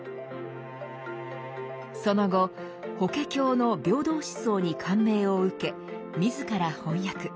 その後「法華経」の平等思想に感銘を受け自ら翻訳。